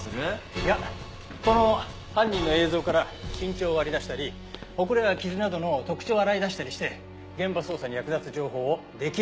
いやこの犯人の映像から身長を割り出したりほくろや傷などの特徴を洗い出したりして現場捜査に役立つ情報をできるだけ蓄えておこう。